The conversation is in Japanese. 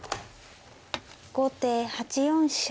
後手８四飛車。